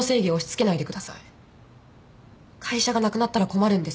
会社がなくなったら困るんです。